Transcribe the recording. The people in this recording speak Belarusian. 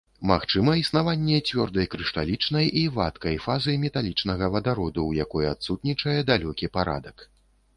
Магчыма існаванне цвёрдай крышталічнай і вадкай фазы металічнага вадароду, у якой адсутнічае далёкі парадак.